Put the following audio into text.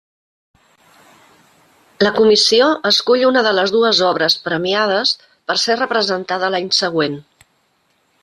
La Comissió escull una de les dues obres premiades per ser representada l'any següent.